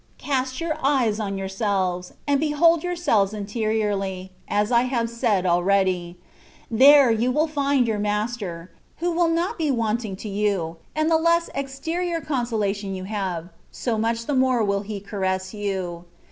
Cast your eyes on yourselves, and behold your selves interiorly, as I have said already : there you will find your Master, who will not be wanting to you, and the less exterior consolation you have, so much the more will He caress you.